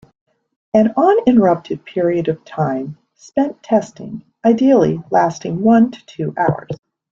An uninterrupted period of time spent testing, ideally lasting one to two hours.